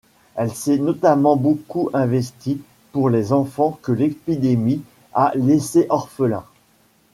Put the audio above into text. Elle s'est notamment beaucoup investie pour les enfants que l'épidémie a laissés orphelins.